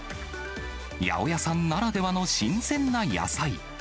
八百屋さんならではの新鮮な野菜。